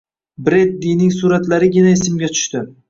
Breddining suratlarigina esimga tushdi.